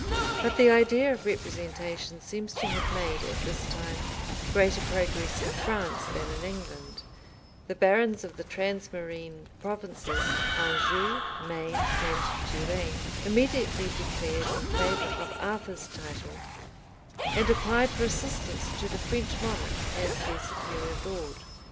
But the idea of representation seems to have made, at this time, greater progress in France than in England; the barons of the transmarine provinces Anjou, Maine, and Touraine, immediately declared in favor of Arthur's title, and applied for assistance to the French monarch as their superior lord.